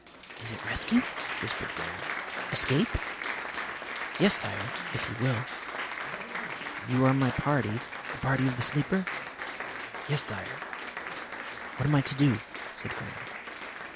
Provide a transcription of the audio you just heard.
"Is it rescue?" whispered Graham. "Escape?" "Yes, Sire. If you will." "You are my party the party of the Sleeper?" "Yes, Sire." "What am I to do?" said Graham.